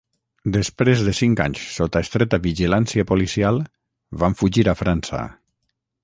Després de cinc anys sota estreta vigilància policial, van fugir a França.